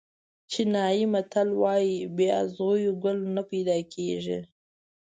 چینایي متل وایي بې اغزیو ګل نه پیدا کېږي.